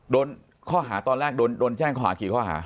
โดนข้อหาตอนแรกโดนแจ้งข้อหากี่ข้อหา